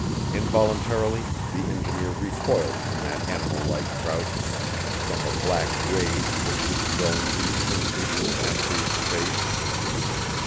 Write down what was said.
Involuntarily the engineer recoiled from that animal like crouch, from the black rage which was growing each instant in the half breed's face.